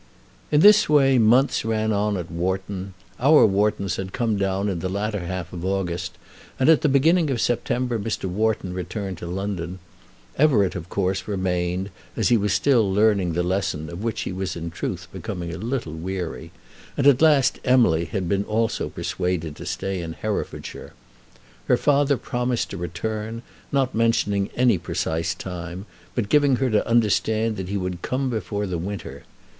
In this way months ran on at Wharton. Our Whartons had come down in the latter half of August, and at the beginning of September Mr. Wharton returned to London. Everett, of course, remained, as he was still learning the lesson of which he was in truth becoming a little weary; and at last Emily had also been persuaded to stay in Herefordshire. Her father promised to return, not mentioning any precise time, but giving her to understand that he would come before the winter.